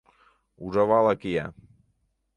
Ужавала кия.